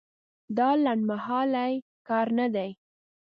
دا لنډمهالی کار نه دی.